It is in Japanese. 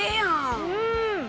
うん。